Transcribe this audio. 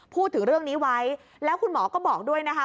พูดถึงเรื่องนี้ไว้แล้วคุณหมอก็บอกด้วยนะคะ